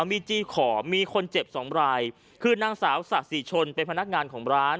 มีจี้ขอมีคนเจ็บสองรายคือนางสาวสะสิชนเป็นพนักงานของร้าน